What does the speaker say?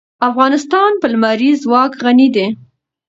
افغانستان په لمریز ځواک غني دی.